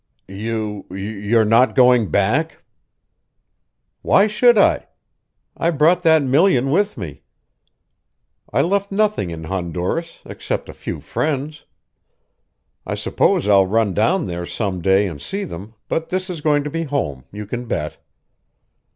"You you're not going back?" "Why should I? I brought that million with me. I left nothing in Honduras except a few friends. I suppose I'll run down there some day and see them, but this is going to be home, you can bet."